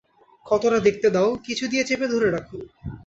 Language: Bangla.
ক্ষতটা দেখতে দাও, কিছু দিয়ে চেপে ধরে রাখো।